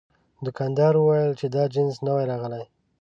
دوکاندار وویل چې دا جنس نوی راغلی.